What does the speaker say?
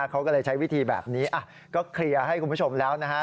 เขาก็เลยใช้วิธีแบบนี้ก็เคลียร์ให้คุณผู้ชมแล้วนะฮะ